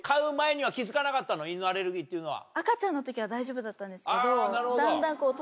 犬アレルギーっていうのは。